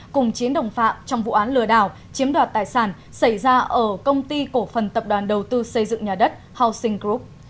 cùng chín đồng phạm trong vụ án lừa đảo chiếm đoạt tài sản xảy ra ở công ty cổ phần tập đoàn đầu tư xây dựng nhà đất houseng group